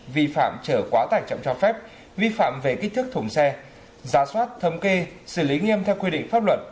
vi phạm chở quá tải trọng cho phép vi phạm về kích thức thùng xe giả soát thấm kê xử lý nghiêm theo quy định pháp luật